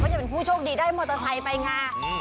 จะเป็นผู้โชคดีได้มอเตอร์ไซค์ไปไง